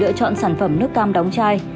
khi chị đã chọn sản phẩm nước cam đóng chai